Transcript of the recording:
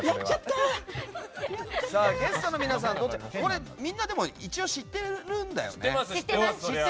ゲストの皆さん、みんなでも一応知ってるんだよね？